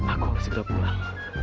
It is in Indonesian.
aku harus segera pulang